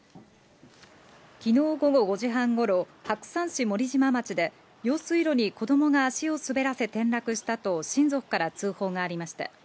昨日午後５時半頃、白山市森島町で用水路に子供が足を滑らせ転落したと、親族から通報がありました。